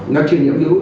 nó chưa nhiễm virus